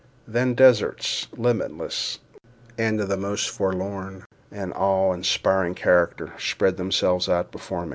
Then deserts, limitless, and of the most forlorn and awe inspiring character, spread themselves out before me.